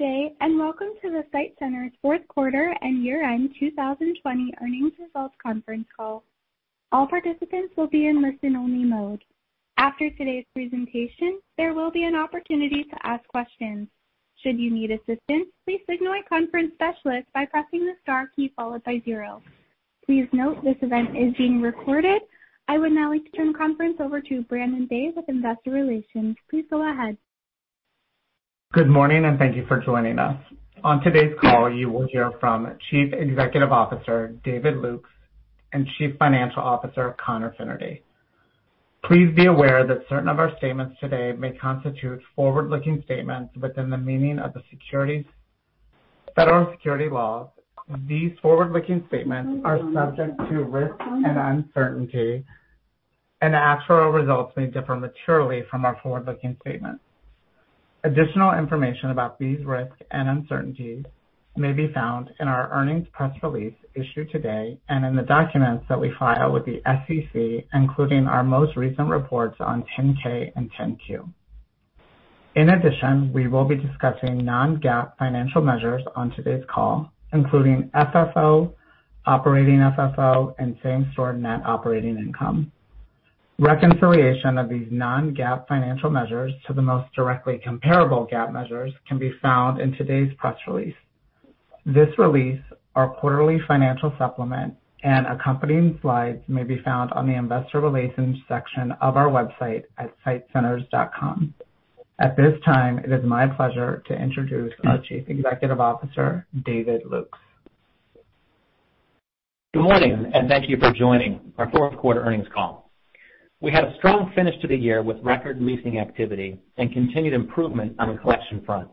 Good day, and welcome to the SITE Centers fourth quarter and year-end 2020 earnings results conference call. All participants will be in listen-only mode. After todays presentation, there will be an opportunity to ask questions. Should you need assistance, please signal aconference specialist by pressing the star key followed by zero. Please note this event is being recorded. I would now like to turn the conference over to Brandon Day with Investor Relations. Please go ahead. Good morning, and thank you for joining us. On today's call, you will hear from Chief Executive Officer, David Lukes, and Chief Financial Officer, Conor Fennerty. Please be aware that certain of our statements today may constitute forward-looking statements within the meaning of the federal securities laws. These forward-looking statements are subject to risk and uncertainty, and actual results may differ materially from our forward-looking statements. Additional information about these risks and uncertainties may be found in our earnings press release issued today, and in the documents that we file with the SEC, including our most recent reports on 10-K and 10-Q. In addition, we will be discussing Non-GAAP financial measures on today's call, including FFO, Operating FFO, and same-store net operating income. Reconciliation of these Non-GAAP financial measures to the most directly comparable GAAP measures can be found in today's press release. This release, our quarterly financial supplement, and accompanying slides may be found on the investor relations section of our website at sitecenters.com. At this time, it is my pleasure to introduce our Chief Executive Officer, David Lukes. Good morning, thank you for joining our fourth quarter earnings call. We had a strong finish to the year with record leasing activity and continued improvement on the collection front.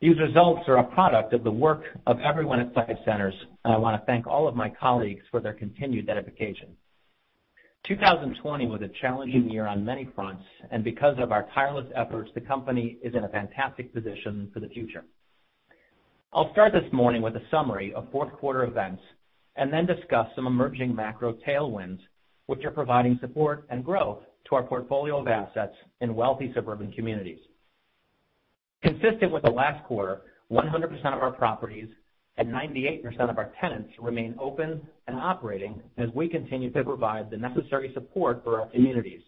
These results are a product of the work of everyone at SITE Centers, and I want to thank all of my colleagues for their continued dedication. 2020 was a challenging year on many fronts, and because of our tireless efforts, the company is in a fantastic position for the future. I'll start this morning with a summary of fourth quarter events and then discuss some emerging macro tailwinds which are providing support and growth to our portfolio of assets in wealthy suburban communities. Consistent with the last quarter, 100% of our properties and 98% of our tenants remain open and operating as we continue to provide the necessary support for our communities.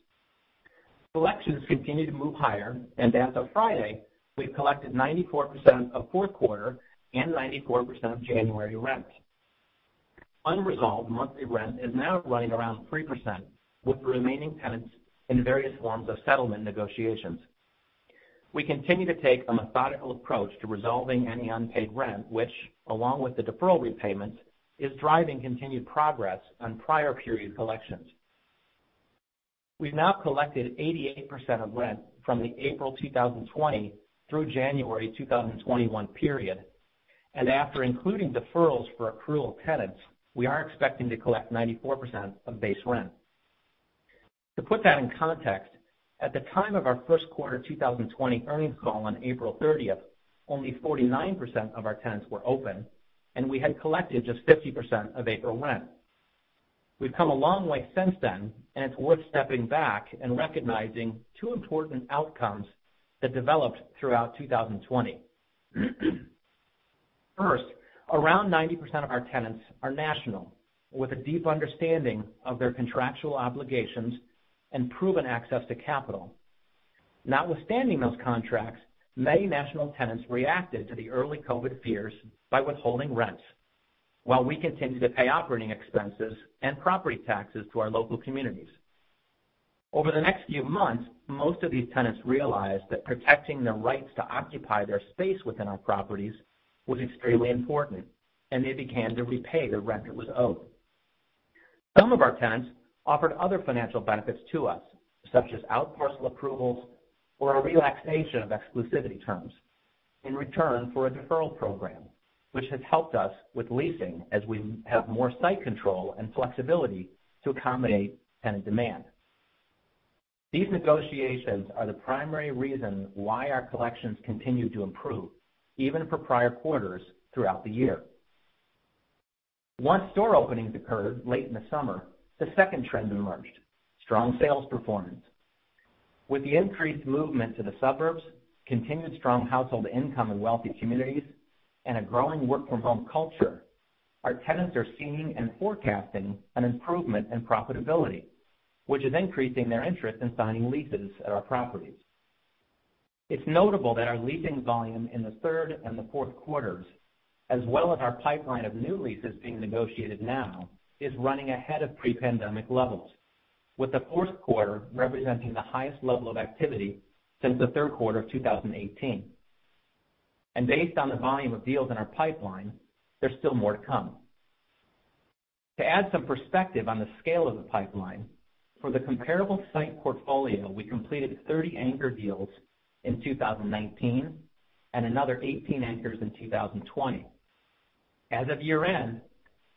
Collections continue to move higher, and as of Friday, we've collected 94% of fourth quarter and 94% of January rent. Unresolved monthly rent is now running around 3% with the remaining tenants in various forms of settlement negotiations. We continue to take a methodical approach to resolving any unpaid rent, which along with the deferral repayments, is driving continued progress on prior period collections. We've now collected 88% of rent from the April 2020 through January 2021 period. After including deferrals for accrual tenants, we are expecting to collect 94% of base rent. To put that in context, at the time of our first quarter 2020 earnings call on April 30th, only 49% of our tenants were open, and we had collected just 50% of April rent. We've come a long way since then, and it's worth stepping back and recognizing two important outcomes that developed throughout 2020. First, around 90% of our tenants are national with a deep understanding of their contractual obligations and proven access to capital. Notwithstanding those contracts, many national tenants reacted to the early COVID fears by withholding rents while we continued to pay operating expenses and property taxes to our local communities. Over the next few months, most of these tenants realized that protecting their rights to occupy their space within our properties was extremely important, and they began to repay the rent that was owed. Some of our tenants offered other financial benefits to us, such as outparcel approvals or a relaxation of exclusivity terms in return for a deferral program, which has helped us with leasing as we have more site control and flexibility to accommodate tenant demand. These negotiations are the primary reason why our collections continue to improve, even for prior quarters throughout the year. Once store openings occurred late in the summer, the second trend emerged. Strong sales performance. With the increased movement to the suburbs, continued strong household income in wealthy communities, and a growing work from home culture, our tenants are seeing and forecasting an improvement in profitability, which is increasing their interest in signing leases at our properties. It's notable that our leasing volume in the third and the fourth quarters, as well as our pipeline of new leases being negotiated now, is running ahead of pre-pandemic levels, with the fourth quarter representing the highest level of activity since the third quarter of 2018. Based on the volume of deals in our pipeline, there's still more to come. To add some perspective on the scale of the pipeline, for the comparable SITE portfolio, we completed 30 anchor deals in 2019 and another 18 anchors in 2020. As of year-end,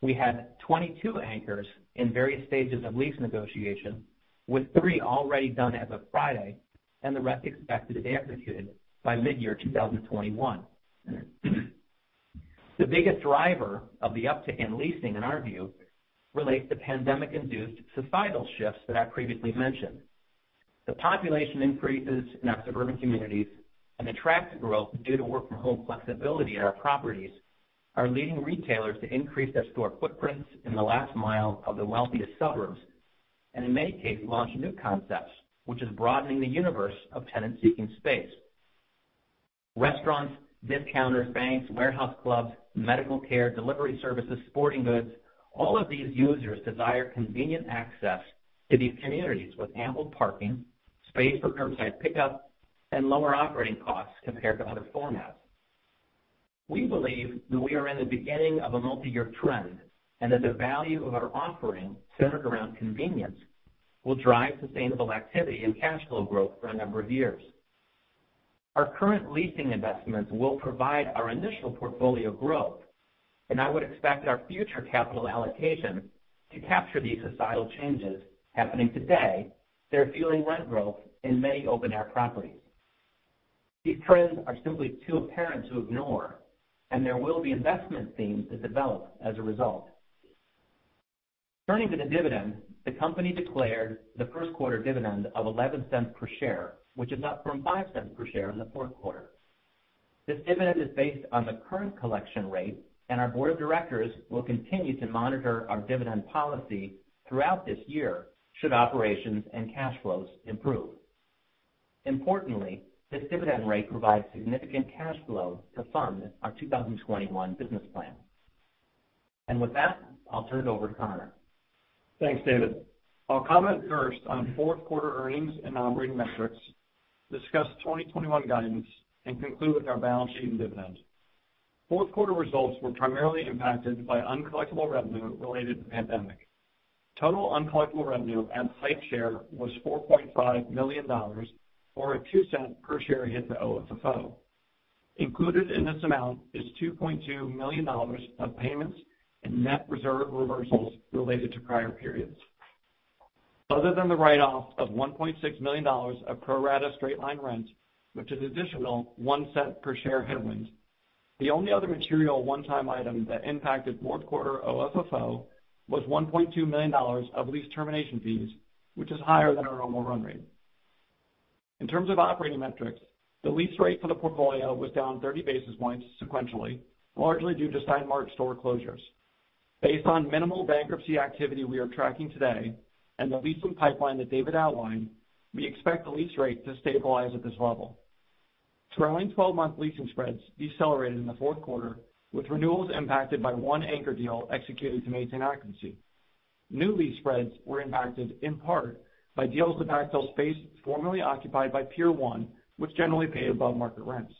we had 22 anchors in various stages of lease negotiation, with three already done as of Friday and the rest expected to be executed by mid-year 2021. The biggest driver of the uptick in leasing, in our view, relates to pandemic-induced societal shifts that I previously mentioned. The population increases in our suburban communities and the traffic growth due to work from home flexibility at our properties are leading retailers to increase their store footprints in the last mile of the wealthiest suburbs, and in many cases, launch new concepts, which is broadening the universe of tenants seeking space. Restaurants, discounters, banks, warehouse clubs, medical care, delivery services, sporting goods, all of these users desire convenient access to these communities with ample parking, space for curbside pickup, and lower operating costs compared to other formats. We believe that we are in the beginning of a multi-year trend, and that the value of our offering centered around convenience will drive sustainable activity and cash flow growth for a number of years. Our current leasing investments will provide our initial portfolio growth, and I would expect our future capital allocation to capture these societal changes happening today that are fueling rent growth in many open-air properties. These trends are simply too apparent to ignore, and there will be investment themes that develop as a result. Turning to the dividend, the company declared the first quarter dividend of $0.11 per share, which is up from $0.05 per share in the fourth quarter. This dividend is based on the current collection rate, and our board of directors will continue to monitor our dividend policy throughout this year should operations and cash flows improve. Importantly, this dividend rate provides significant cash flow to fund our 2021 business plan. With that, I'll turn it over to Conor. Thanks, David. I'll comment first on fourth quarter earnings and operating metrics, discuss 2021 guidance, and conclude with our balance sheet and dividend. Fourth quarter results were primarily impacted by uncollectible revenue related to the pandemic. Total uncollectible revenue at SITE share was $4.5 million, or a $0.02 per share hit to OFFO. Included in this amount is $2.2 million of payments and net reserve reversals related to prior periods. Other than the write-off of $1.6 million of pro rata straight-line rent, which is additional $0.01 per share headwind, the only other material one-time item that impacted fourth quarter OFFO was $1.2 million of lease termination fees, which is higher than our normal run rate. In terms of operating metrics, the lease rate for the portfolio was down 30 basis points sequentially, largely due to Stein Mart store closures. Based on minimal bankruptcy activity we are tracking today and the leasing pipeline that David outlined, we expect the lease rate to stabilize at this level. Trailing 12-month leasing spreads decelerated in the fourth quarter, with renewals impacted by one anchor deal executed to maintain occupancy. New lease spreads were impacted in part by deals to backfill space formerly occupied by Pier 1, which generally paid above-market rents.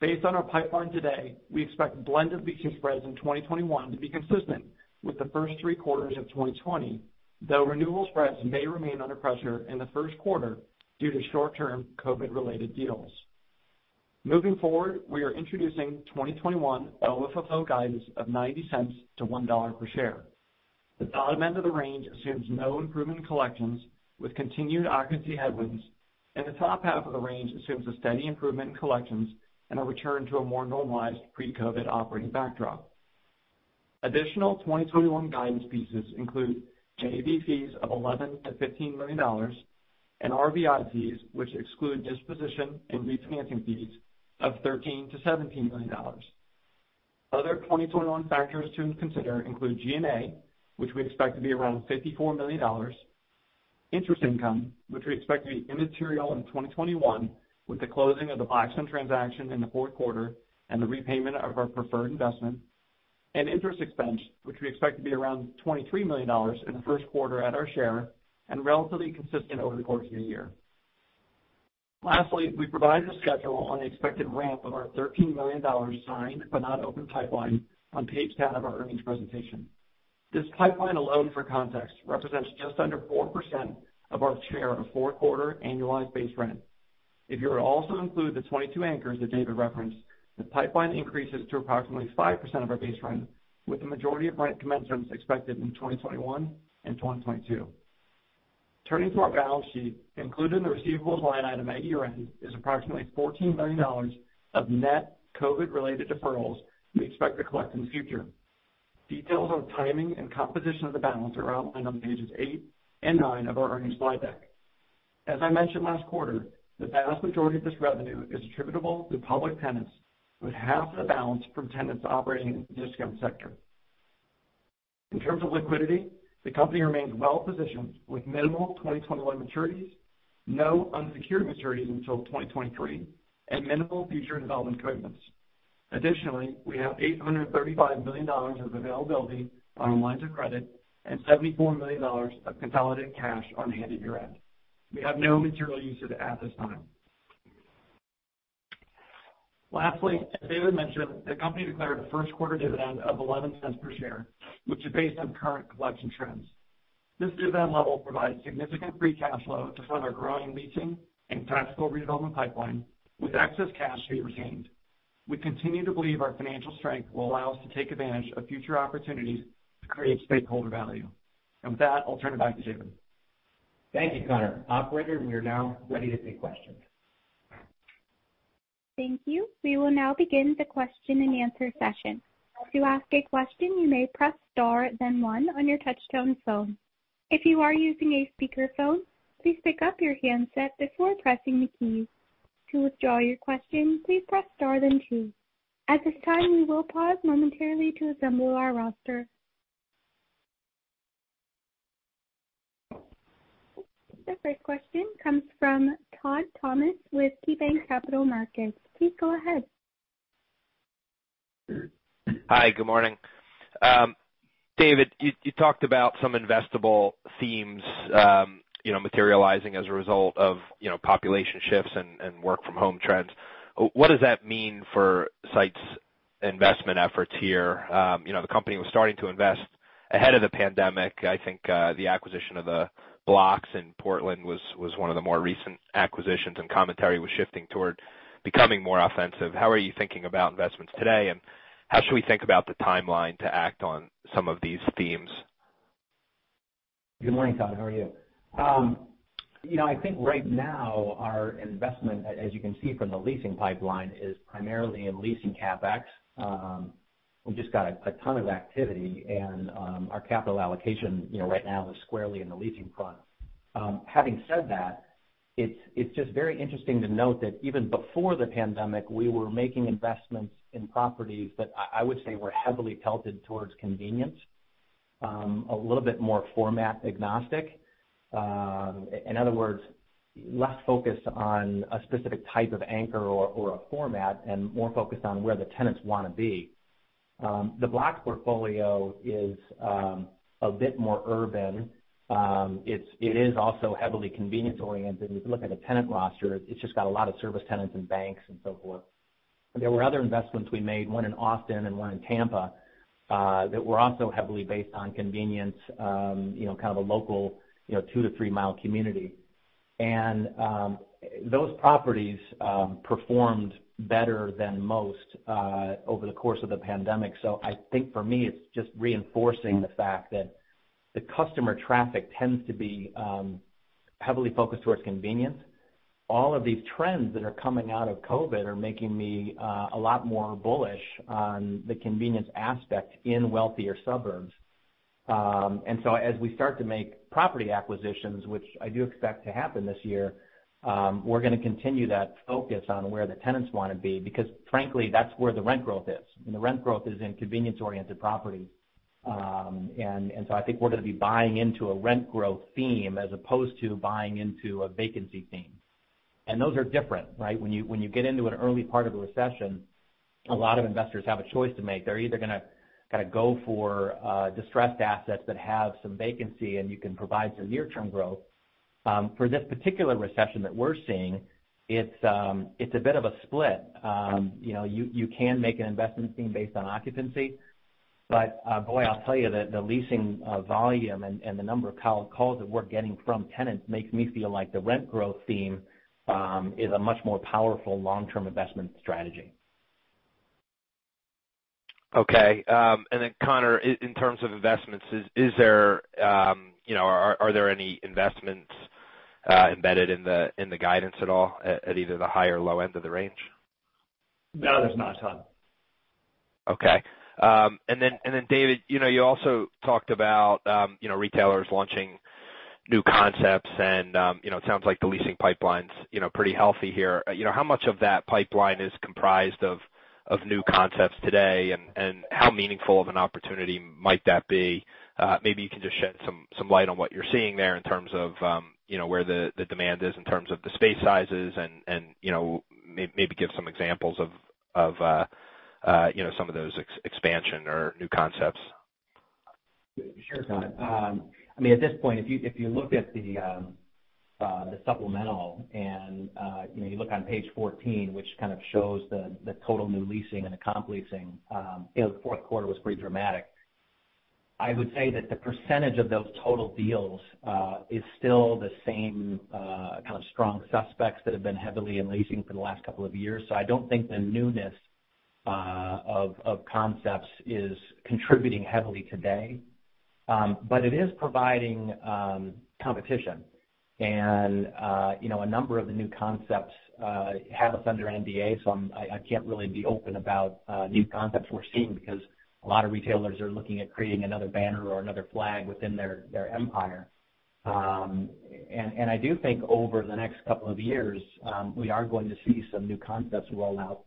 Based on our pipeline today, we expect blended leasing spreads in 2021 to be consistent with the first three quarters of 2020, though renewal spreads may remain under pressure in the first quarter due to short-term COVID-related deals. Moving forward, we are introducing 2021 OFFO guidance of $0.90-$1 per share. The bottom end of the range assumes no improvement in collections, with continued occupancy headwinds. The top half of the range assumes a steady improvement in collections and a return to a more normalized pre-COVID operating backdrop. Additional 2021 guidance pieces include JV fees of $11 million-$15 million and RVI fees, which exclude disposition and refinancing fees, of $13 million-$17 million. Other 2021 factors to consider include G&A, which we expect to be around $54 million, interest income, which we expect to be immaterial in 2021, with the closing of the Blackstone transaction in the fourth quarter and the repayment of our preferred investment, and interest expense, which we expect to be around $23 million in the first quarter at our share and relatively consistent over the course of the year. We provide the schedule on the expected ramp of our $13 million signed but not open pipeline on page 10 of our earnings presentation. This pipeline alone, for context, represents just under 4% of our share of four-quarter annualized base rent. If you were to also include the 22 anchors that David referenced, the pipeline increases to approximately 5% of our base rent, with the majority of rent commencement expected in 2021 and 2022. Turning to our balance sheet, included in the receivables line item at year-end is approximately $14 million of net COVID-related deferrals we expect to collect in the future. Details on timing and composition of the balance are outlined on pages eight and nine of our earnings slide deck. As I mentioned last quarter, the vast majority of this revenue is attributable to public tenants, with half of the balance from tenants operating in the discount sector. In terms of liquidity, the company remains well positioned with minimal 2021 maturities, no unsecured maturities until 2023, and minimal future development commitments. Additionally, we have $835 million of availability on our lines of credit and $74 million of consolidated cash on hand at year-end. We have no material usage at this time. Lastly, as David mentioned, the company declared a first quarter dividend of $0.11 per share, which is based on current collection trends. This dividend level provides significant free cash flow to fund our growing leasing and flexible redevelopment pipeline, with excess cash to be retained. We continue to believe our financial strength will allow us to take advantage of future opportunities to create stakeholder value. With that, I'll turn it back to David. Thank you, Conor. Operator, we are now ready to take questions. Thank you. We will now begin the question and answer session. The first question comes from Todd Thomas with KeyBanc Capital Markets. Please go ahead. Hi. Good morning. David, you talked about some investable themes materializing as a result of population shifts and work from home trends. What does that mean for SITE's investment efforts here? The company was starting to invest ahead of the pandemic. I think, the acquisition of the blocks in Portland was one of the more recent acquisitions, and commentary was shifting toward becoming more offensive. How are you thinking about investments today, and how should we think about the timeline to act on some of these themes? Good morning, Todd. How are you? I think right now our investment, as you can see from the leasing pipeline, is primarily in leasing CapEx. We've just got a ton of activity and our capital allocation right now is squarely in the leasing front. Having said that, it's just very interesting to note that even before the pandemic, we were making investments in properties that I would say were heavily tilted towards convenience, a little bit more format agnostic. In other words, less focused on a specific type of anchor or a format, and more focused on where the tenants want to be. The block portfolio is a bit more urban. It is also heavily convenience oriented. If you look at a tenant roster, it's just got a lot of service tenants and banks and so forth. There were other investments we made, one in Austin and one in Tampa, that were also heavily based on convenience, kind of a local, 2-3-mile community. Those properties performed better than most, over the course of the pandemic. I think for me, it's just reinforcing the fact that the customer traffic tends to be heavily focused towards convenience. All of these trends that are coming out of COVID are making me a lot more bullish on the convenience aspect in wealthier suburbs. As we start to make property acquisitions, which I do expect to happen this year, we're going to continue that focus on where the tenants want to be, because frankly, that's where the rent growth is. The rent growth is in convenience-oriented properties. I think we're going to be buying into a rent growth theme as opposed to buying into a vacancy theme. And those are different, right? When you get into an early part of a recession, a lot of investors have a choice to make. They're either going to kind of go for distressed assets that have some vacancy, and you can provide some near-term growth. For this particular recession that we're seeing, it's a bit of a split. You can make an investment theme based on occupancy, but boy, I'll tell you that the leasing volume and the number of calls that we're getting from tenants makes me feel like the rent growth theme is a much more powerful long-term investment strategy. Okay. Conor, in terms of investments, are there any investments embedded in the guidance at all, at either the high or low end of the range? No, there's not, Todd. Okay. David, you also talked about retailers launching new concepts and it sounds like the leasing pipeline's pretty healthy here. How much of that pipeline is comprised of new concepts today, and how meaningful of an opportunity might that be? Maybe you can just shed some light on what you're seeing there in terms of where the demand is, in terms of the space sizes and maybe give some examples of some of those expansion or new concepts. Sure, Todd. At this point, if you look at the supplemental and you look on page 14, which kind of shows the total new leasing and the comp leasing, the fourth quarter was pretty dramatic. I would say that the percentage of those total deals is still the same kind of strong suspects that have been heavily in leasing for the last couple of years. I don't think the newness of concepts is contributing heavily today. It is providing competition. A number of the new concepts have us under NDA, so I can't really be open about new concepts we're seeing because a lot of retailers are looking at creating another banner or another flag within their empire. I do think over the next couple of years, we are going to see some new concepts roll out.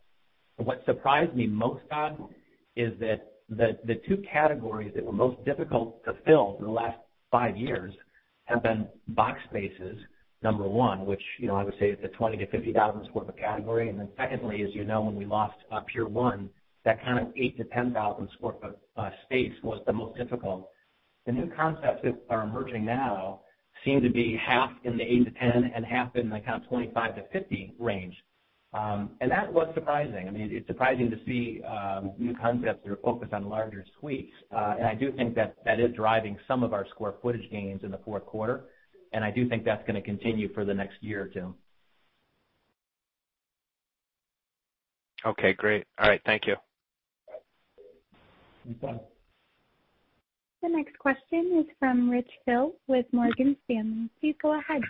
What surprised me most, Todd, is that the two categories that were most difficult to fill for the last five years have been box spaces, number 1, which I would say is the 20,000 to 50,000 square foot category. Then secondly, as you know, when we lost Pier 1, that kind of 8,000 to 10,000 square foot space was the most difficult. The new concepts that are emerging now seem to be half in the eight to 10, and half in the kind of 25-50 range. That was surprising. It's surprising to see new concepts that are focused on larger suites. I do think that is driving some of our square footage gains in the fourth quarter. I do think that's going to continue for the next year or two. Okay, great. All right. Thank you. No problem. The next question is from Rich Hill with Morgan Stanley. Please go ahead.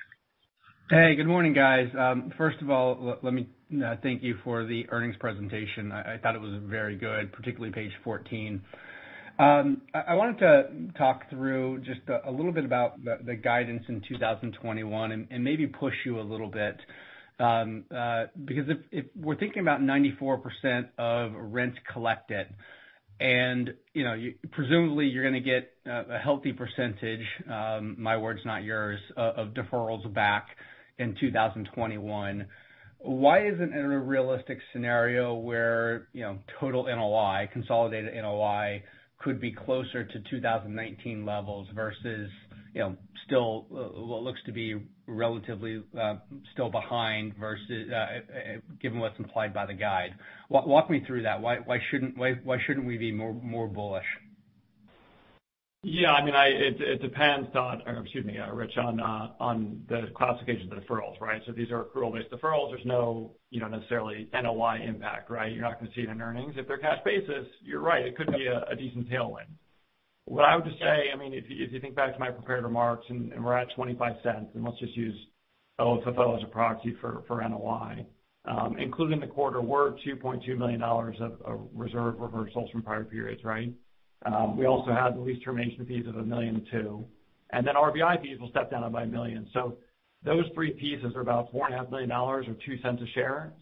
Hey, good morning, guys. First of all, let me thank you for the earnings presentation. I thought it was very good, particularly page 14. I wanted to talk through just a little bit about the guidance in 2021 and maybe push you a little bit. If we're thinking about 94% of rent collected and presumably you're going to get a healthy percentage, my words, not yours, of deferrals back in 2021. Why isn't it a realistic scenario where total NOI, consolidated NOI, could be closer to 2019 levels versus what looks to be relatively still behind given what's implied by the guide? Walk me through that. Why shouldn't we be more bullish? Yeah. It depends, Rich, on the classification of the deferrals. These are accrual-based deferrals. There's no necessarily NOI impact. You're not going to see it in earnings. If they're cash basis, you're right, it could be a decent tailwind. What I would just say, if you think back to my prepared remarks, and we're at $0.25, and let's just use OFFO as a proxy for NOI. Including the quarter, we're at $2.2 million of reserve reversals from prior periods. We also had the lease termination fees of $1 million, and then RVI fees will step down by $1 million. Those three pieces are about $4.5 million or $0.02 a share.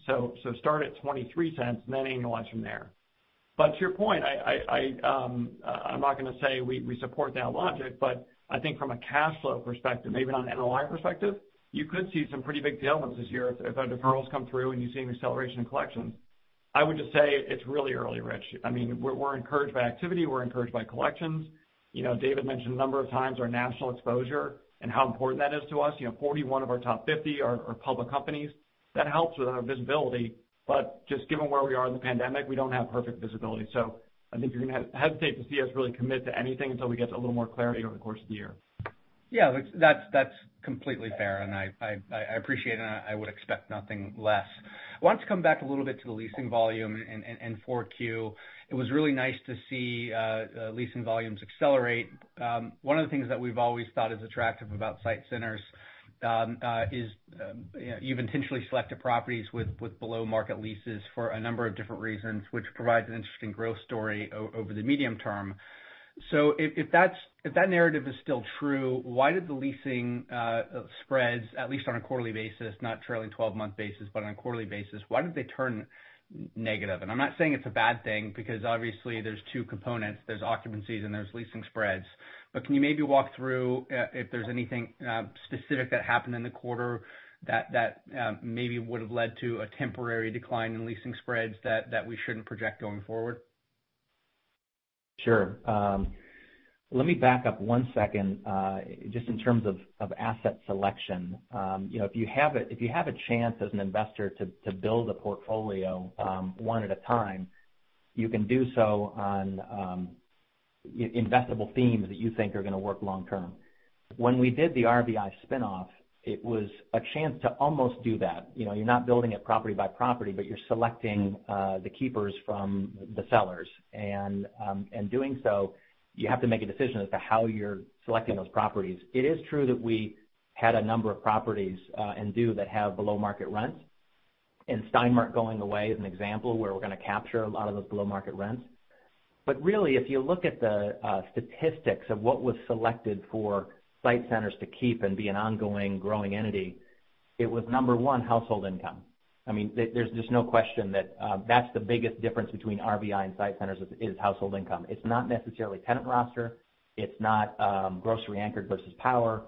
Start at $0.23, and then annualize from there. To your point, I'm not going to say we support that logic. I think from a cash flow perspective, maybe not an NOI perspective, you could see some pretty big tailwinds this year if our deferrals come through and you see an acceleration in collections. I would just say it's really early, Rich. We're encouraged by activity. We're encouraged by collections. David mentioned a number of times our national exposure and how important that is to us. 41 of our top 50 are public companies. That helps with our visibility, just given where we are in the pandemic, we don't have perfect visibility. I think you're going to hesitate to see us really commit to anything until we get a little more clarity over the course of the year. Yeah. That's completely fair, and I appreciate it, and I would expect nothing less. I want to come back a little bit to the leasing volume in 4Q. It was really nice to see leasing volumes accelerate. One of the things that we've always thought is attractive about SITE Centers is you've intentionally selected properties with below-market leases for a number of different reasons, which provides an interesting growth story over the medium term. If that narrative is still true, why did the leasing spreads, at least on a quarterly basis, not trailing 12-month basis, but on a quarterly basis, why did they turn negative? I'm not saying it's a bad thing, because obviously there's two components. There's occupancies and there's leasing spreads. Can you maybe walk through if there's anything specific that happened in the quarter that maybe would have led to a temporary decline in leasing spreads that we shouldn't project going forward? Sure. Let me back up one second just in terms of asset selection. If you have a chance as an investor to build a portfolio one at a time, you can do so on investable themes that you think are going to work long term. When we did the RVI spinoff, it was a chance to almost do that. You're not building it property by property, but you're selecting the keepers from the sellers. In doing so, you have to make a decision as to how you're selecting those properties. It is true that we had a number of properties, and do, that have below-market rents, and Stein Mart going away is an example of where we're going to capture a lot of those below-market rents. Really, if you look at the statistics of what was selected for SITE Centers to keep and be an ongoing growing entity, it was number one household income. There's just no question that that's the biggest difference between RVI and SITE Centers is household income. It's not necessarily tenant roster. It's not grocery anchored versus power.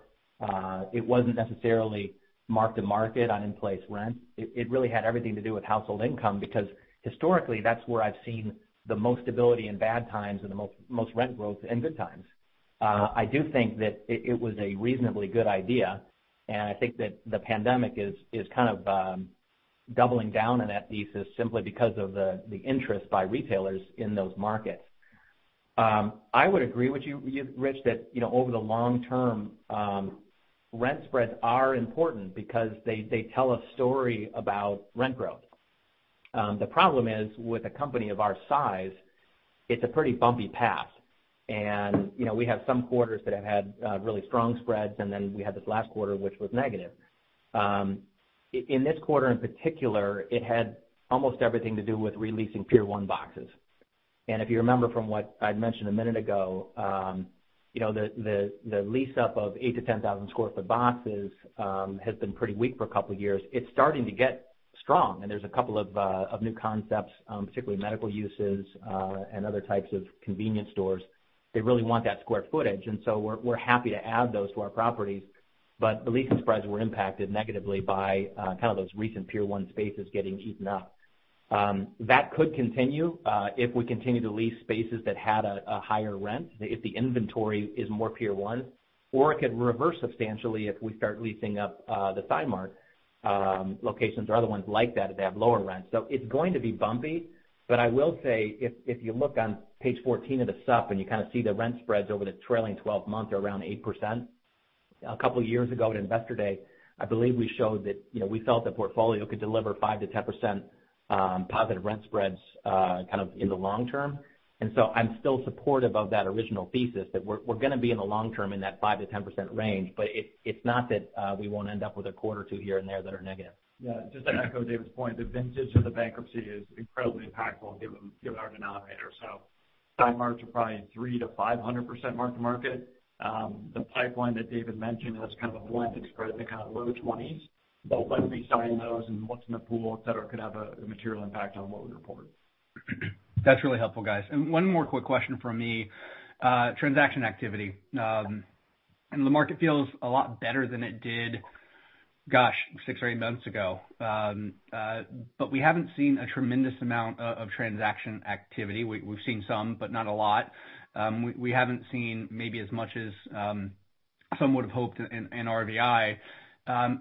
It wasn't necessarily mark-to-market on in-place rent. It really had everything to do with household income because historically, that's where I've seen the most stability in bad times and the most rent growth in good times. I do think that it was a reasonably good idea, and I think that the pandemic is kind of doubling down on that thesis simply because of the interest by retailers in those markets. I would agree with you, Rich, that over the long term, rent spreads are important because they tell a story about rent growth. The problem is, with a company of our size, it's a pretty bumpy path. We have some quarters that have had really strong spreads, then we had this last quarter, which was negative. In this quarter in particular, it had almost everything to do with re-leasing Pier 1 boxes. If you remember from what I'd mentioned a minute ago, the lease-up of 8,000-10,000 sq ft boxes has been pretty weak for a couple of years. It's starting to get strong, and there's a couple of new concepts, particularly medical uses and other types of convenience stores. They really want that square footage, and so we're happy to add those to our properties. The leasing spreads were impacted negatively by kind of those recent Pier 1 spaces getting eaten up. That could continue if we continue to lease spaces that had a higher rent, if the inventory is more Pier 1, or it could reverse substantially if we start leasing up the Stein Mart locations or other ones like that if they have lower rents. It's going to be bumpy. I will say, if you look on page 14 of the supp and you kind of see the rent spreads over the trailing 12 months are around 8%. A couple of years ago at Investor Day, I believe we showed that we felt the portfolio could deliver 5%-10% positive rent spreads kind of in the long term. I'm still supportive of that original thesis that we're going to be in the long term in that 5%-10% range. It's not that we won't end up with a quarter or two here and there that are negative. Yeah. Just to echo David's point, the vintage of the bankruptcy is incredibly impactful given our denominator. Stein Marts are probably 300%-500% mark-to-market. The pipeline that David mentioned has kind of a blended spread in the kind of low 20s, but when we sign those and what's in the pool, et cetera, it could have a material impact on what we report. That's really helpful, guys. One more quick question from me. Transaction activity. The market feels a lot better than it did, gosh, six or eight months ago. We haven't seen a tremendous amount of transaction activity. We've seen some, but not a lot. We haven't seen maybe as much as some would have hoped in RVI. Are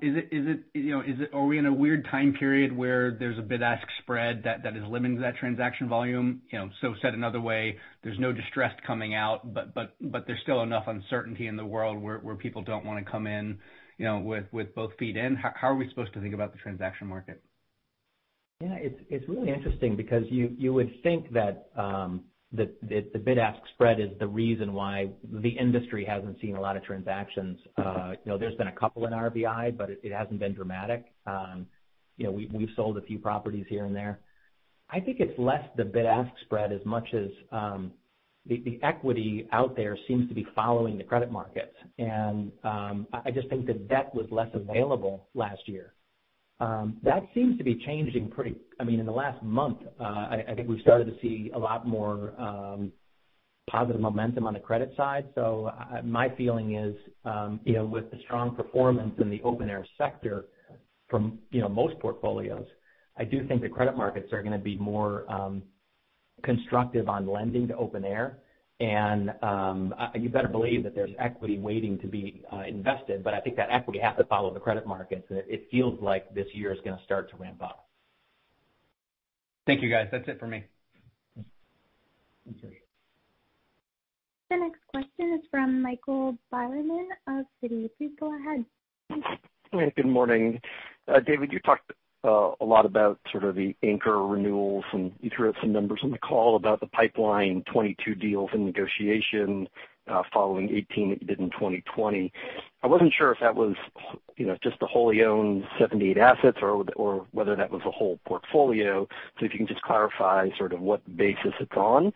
we in a weird time period where there's a bid-ask spread that is limiting that transaction volume? Said another way, there's no distress coming out, but there's still enough uncertainty in the world where people don't want to come in with both feet in. How are we supposed to think about the transaction market? Yeah, it's really interesting because you would think that the bid-ask spread is the reason why the industry hasn't seen a lot of transactions. There's been a couple in RVI, but it hasn't been dramatic. We've sold a few properties here and there. I think it's less the bid-ask spread as much as the equity out there seems to be following the credit markets. I just think the debt was less available last year. That seems to be changing in the last month, I think we've started to see a lot more positive momentum on the credit side. My feeling is with the strong performance in the open-air sector from most portfolios, I do think the credit markets are going to be more constructive on lending to open air. You better believe that there's equity waiting to be invested. I think that equity has to follow the credit markets, and it feels like this year is going to start to ramp up. Thank you, guys. That's it for me. Thank you. The next question is from Michael Moller of Citi. Please go ahead. Good morning. David, you talked a lot about sort of the anchor renewals, and you threw out some numbers on the call about the pipeline, 22 deals in negotiation following 18 that you did in 2020. I wasn't sure if that was just the wholly owned 78 assets or whether that was the whole portfolio. If you can just clarify sort of what basis it's on,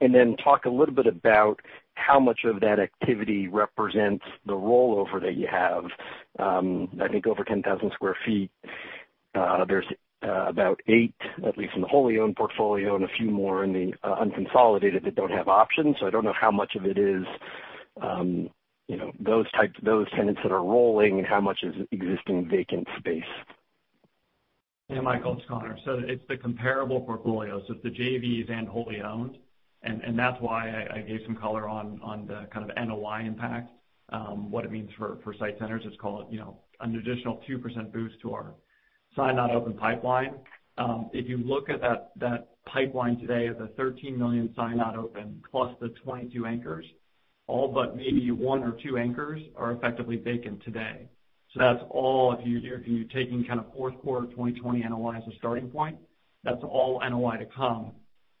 and then talk a little bit about how much of that activity represents the rollover that you have. I think over 10,000 sq ft, there's about eight, at least in the wholly owned portfolio and a few more in the unconsolidated that don't have options. I don't know how much of it is those tenants that are rolling and how much is existing vacant space. Yeah, Michael, it's Conor. It's the comparable portfolio. It's the JVs and wholly owned, and that's why I gave some color on the kind of NOI impact, what it means for SITE Centers. It's called an additional 2% boost to our signed not open pipeline. If you look at that pipeline today of the $13 million signed not open plus the 22 anchors, all but maybe one or two anchors are effectively vacant today. That's all if you're taking kind of fourth quarter 2020 NOI as a starting point. That's all NOI to come.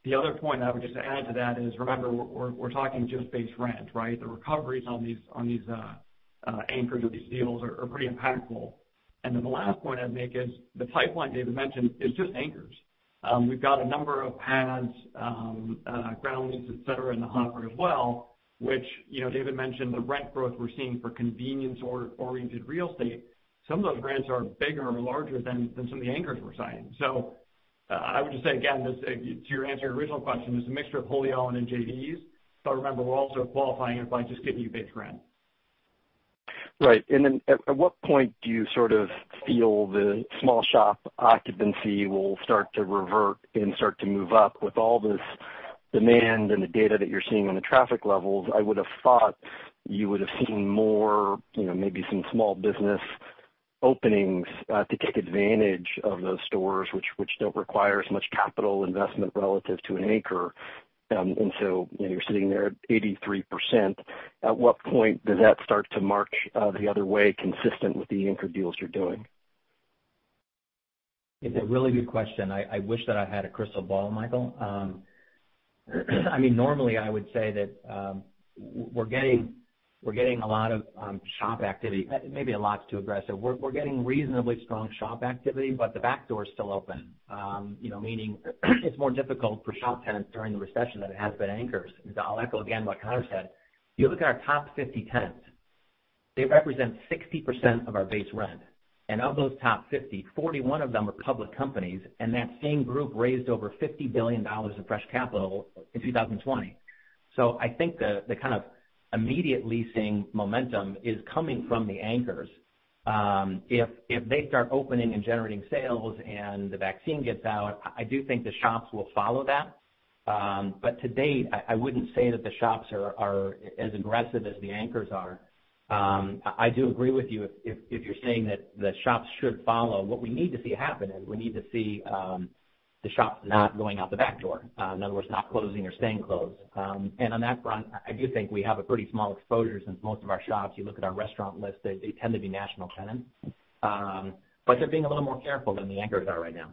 The other point I would just add to that is, remember, we're talking just base rent, right? The recoveries on these anchors or these deals are pretty impactful. The last point I'd make is the pipeline David mentioned is just anchors. We've got a number of pads, ground leases, et cetera, in the hopper as well, which David mentioned the rent growth we're seeing for convenience-oriented real estate. Some of those rents are bigger or larger than some of the anchors we're signing. I would just say again, to answer your original question, it's a mixture of wholly owned and JVs. Remember, we're also qualifying it by just giving you base rent. Right. At what point do you sort of feel the small shop occupancy will start to revert and start to move up with all this demand and the data that you're seeing on the traffic levels, I would have thought you would have seen more maybe some small business openings to take advantage of those stores, which don't require as much capital investment relative to an anchor. You're sitting there at 83%. At what point does that start to march the other way consistent with the anchor deals you're doing? It's a really good question. I wish that I had a crystal ball, Michael. Normally, I would say that we're getting a lot of shop activity. Maybe a lot is too aggressive. We're getting reasonably strong shop activity, but the back door is still open, meaning it's more difficult for shop tenants during the recession than it has been anchors. I'll echo again what Conor said. You look at our top 50 tenants. They represent 60% of our base rent. Of those top 50, 41 of them are public companies, and that same group raised over $50 billion of fresh capital in 2020. I think the kind of immediate leasing momentum is coming from the anchors. If they start opening and generating sales and the vaccine gets out, I do think the shops will follow that. To date, I wouldn't say that the shops are as aggressive as the anchors are. I do agree with you if you're saying that the shops should follow. What we need to see happen is we need to see the shops not going out the back door. In other words, not closing or staying closed. On that front, I do think we have a pretty small exposure since most of our shops, you look at our restaurant list, they tend to be national tenants. They're being a little more careful than the anchors are right now.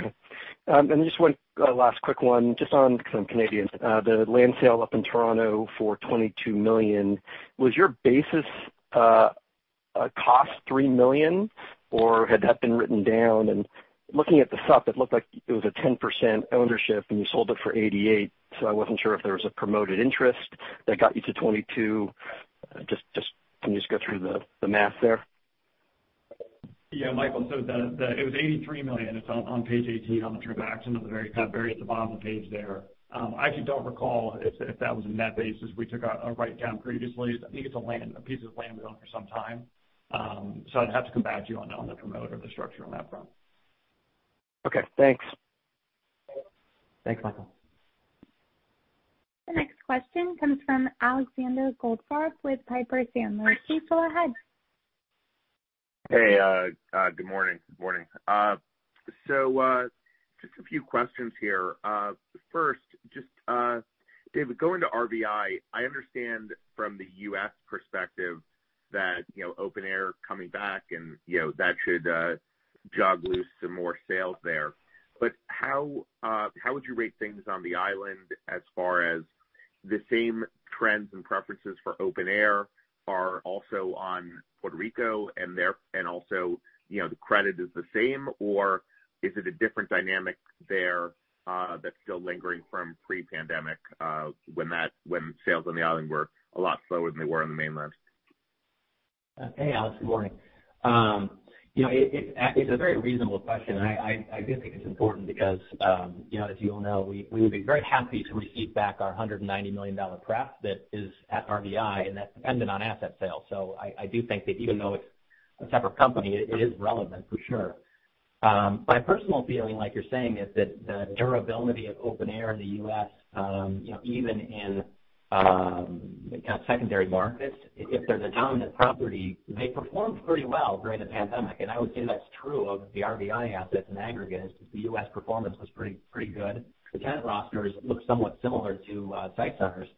Okay. Just one last quick one, just on, because I'm Canadian. The land sale up in Toronto for $22 million. Was your basis cost $3 million, or had that been written down? Looking at the supp, it looked like it was a 10% ownership, and you sold it for $88, so I wasn't sure if there was a promoted interest that got you to $22. Can you just go through the math there? Yeah, Michael. It was $83 million. It's on page 18 on the transactions at the very bottom of the page there. I actually don't recall if that was a net basis. We took a write-down previously. I think it's a piece of land we owned for some time. I'd have to come back to you on the promoter of the structure on that front. Okay, thanks. Thanks, Michael. The next question comes from Alexander Goldfarb with Piper Sandler. Please go ahead. Hey, good morning. Just a few questions here. First, just, David, going to RVI, I understand from the U.S. perspective that open air coming back, and that should jog loose some more sales there. How would you rate things on the island as far as the same trends and preferences for open air are also on Puerto Rico and also the credit is the same, or is it a different dynamic there that's still lingering from pre-pandemic, when sales on the island were a lot slower than they were on the mainland? Hey, Alex. Good morning. It's a very reasonable question, and I do think it's important because, as you all know, we would be very happy to receive back our $190 million prep that is at RVI, and that's dependent on asset sales. I do think that even though it's a separate company, it is relevant for sure. My personal feeling, like you're saying, is that the durability of open air in the U.S., even in kind of secondary markets, if there's a dominant property, they performed pretty well during the pandemic, and I would say that's true of the RVI assets in aggregate is the U.S. performance was pretty good. The tenant rosters look somewhat similar to SITE Centers.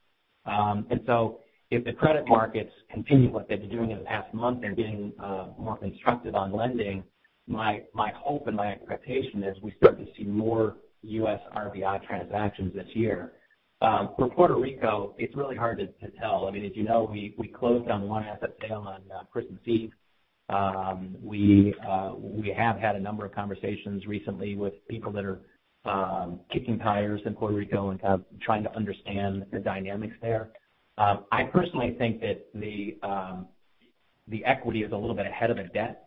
If the credit markets continue what they've been doing in the past month and getting more constructive on lending, my hope and my expectation is we start to see more U.S. RVI transactions this year. For Puerto Rico, it's really hard to tell. I mean, as you know, we closed on one asset sale on Christmas Eve. We have had a number of conversations recently with people that are kicking tires in Puerto Rico and kind of trying to understand the dynamics there. I personally think that the equity is a little bit ahead of the debt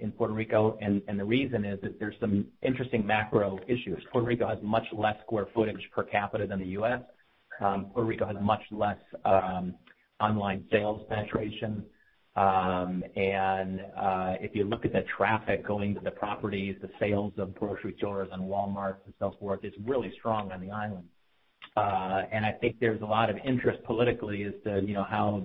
in Puerto Rico, and the reason is that there's some interesting macro issues. Puerto Rico has much less square footage per capita than the U.S. Puerto Rico has much less online sales penetration. If you look at the traffic going to the properties, the sales of grocery stores and Walmart and so forth is really strong on the island. I think there's a lot of interest politically as to how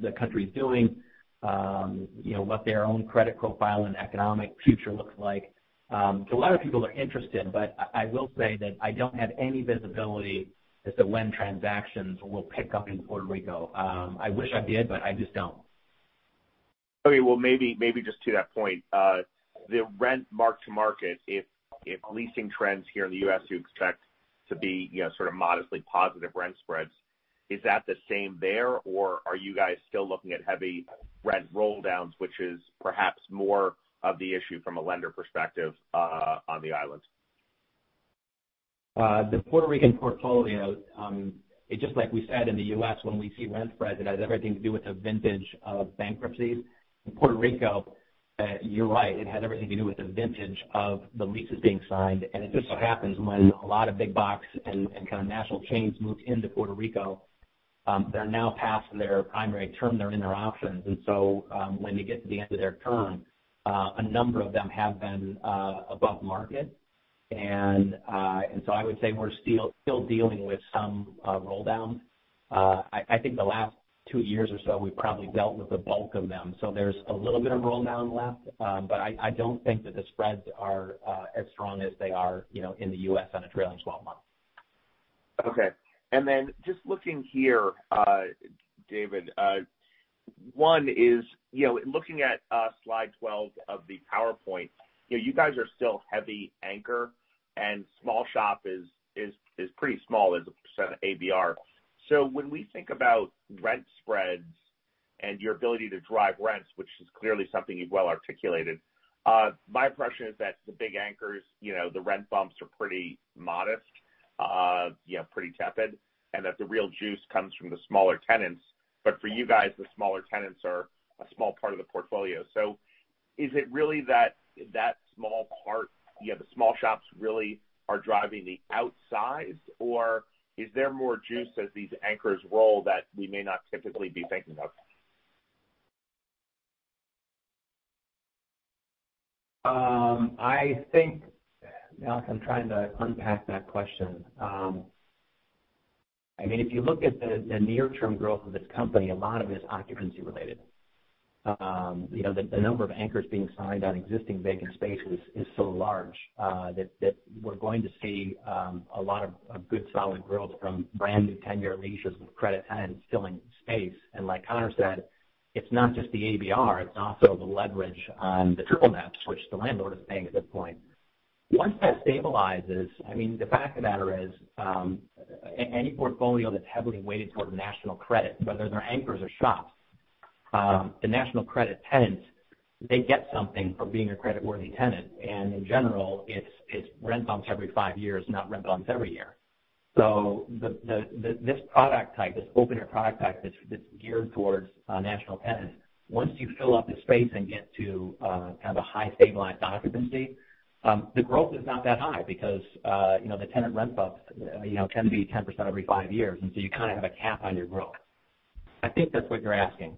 the country's doing, what their own credit profile and economic future looks like. A lot of people are interested, but I will say that I don't have any visibility as to when transactions will pick up in Puerto Rico. I wish I did, but I just don't. Okay. Well, maybe just to that point, the rent mark-to-market, if leasing trends here in the U.S. you expect to be sort of modestly positive rent spreads, is that the same there, or are you guys still looking at heavy rent rolldowns, which is perhaps more of the issue from a lender perspective on the island? The Puerto Rican portfolio, it's just like we said in the U.S., when we see rent spreads, it has everything to do with the vintage of bankruptcies. In Puerto Rico, you're right, it has everything to do with the vintage of the leases being signed. It just so happens when a lot of big box and kind of national chains moved into Puerto Rico, they're now past their primary term. They're in their options. When they get to the end of their term, a number of them have been above market. I would say we're still dealing with some roll down. I think the last two years or so, we've probably dealt with the bulk of them. There's a little bit of roll down left. I don't think that the spreads are as strong as they are in the U.S. on a trailing 12 month. Okay. Just looking here, David, one is looking at slide 12 of the PowerPoint, you guys are still heavy anchor and small shop is pretty small as a percent of ABR. When we think about rent spreads and your ability to drive rents, which is clearly something you've well articulated, my impression is that the big anchors, the rent bumps are pretty modest, pretty tepid, and that the real juice comes from the smaller tenants. For you guys, the smaller tenants are a small part of the portfolio. Is it really that small part, the small shops really are driving the upside, or is there more juice as these anchors roll that we may not typically be thinking of? Alex, I'm trying to unpack that question. If you look at the near-term growth of this company, a lot of it is occupancy related. The number of anchors being signed on existing vacant space is so large that we're going to see a lot of good solid growth from brand new 10-year leases with credit tenants filling space. Like Conor said, it's not just the ABR, it's also the leverage on the triple net, which the landlord is paying at this point. Once that stabilizes, the fact of the matter is, any portfolio that's heavily weighted toward national credit, whether they're anchors or shops, the national credit tenants, they get something for being a credit-worthy tenant. In general, it's rent bumps every five years, not rent bumps every year. This open-air product type that's geared towards national tenants, once you fill up the space and get to kind of a high stabilized occupancy, the growth is not that high because the tenant rent bumps can be 10% every five years, and so you kind of have a cap on your growth. I think that's what you're asking.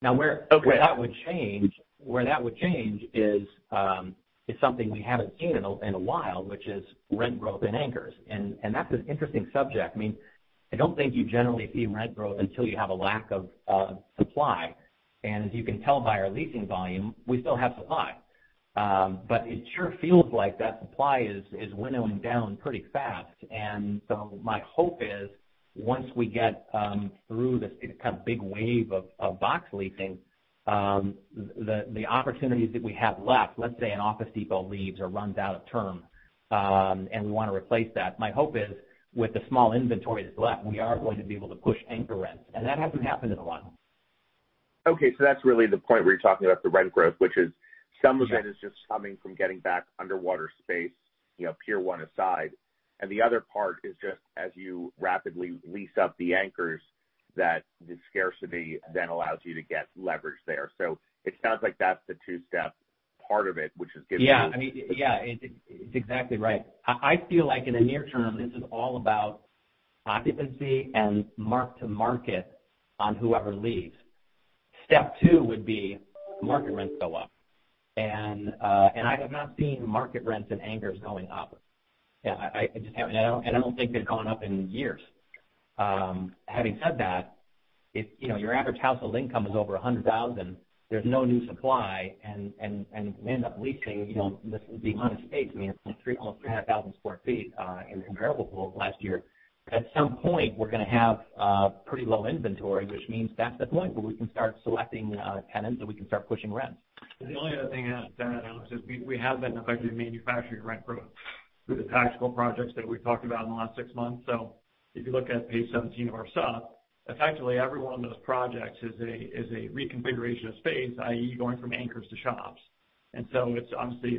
Where that would change is something we haven't seen in a while, which is rent growth in anchors. That's an interesting subject. I don't think you generally see rent growth until you have a lack of supply. As you can tell by our leasing volume, we still have supply. It sure feels like that supply is winnowing down pretty fast. My hope is, once we get through this kind of big wave of box leasing, the opportunities that we have left, let's say an Office Depot leaves or runs out of term, and we want to replace that, my hope is with the small inventory that's left, we are going to be able to push anchor rents. That hasn't happened in a while. Okay. That's really the point where you're talking about the rent growth, which is some of it is just coming from getting back underwater space, Pier 1 aside. The other part is just as you rapidly lease up the anchors, that the scarcity then allows you to get leverage there. It sounds like that's the two-step part of it, which is giving you. Yeah. It's exactly right. I feel like in the near term, this is all about occupancy and mark-to-market on whoever leaves. Step two would be market rents go up. I have not seen market rents in anchors going up. I just haven't. I don't think they've gone up in years. Having said that, your average household income is over $100,000. There's no new supply, and we end up leasing the amount of space, almost 300,000 square feet in comparables last year. At some point, we're going to have pretty low inventory, which means that's the point where we can start selecting tenants, and we can start pushing rents. The only other thing I'd add, Alex, is we have been effectively manufacturing rent growth through the tactical projects that we've talked about in the last six months. If you look at page 17 of our supp, effectively every one of those projects is a reconfiguration of space, i.e., going from anchors to shops. It's honestly